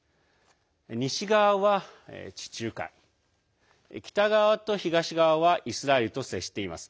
西側は地中海、北側と東側はイスラエルと接しています。